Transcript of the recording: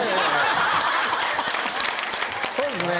そうですね。